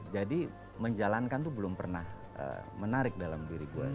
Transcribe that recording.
jadi menjalankan tuh belum pernah menarik dalam diri gue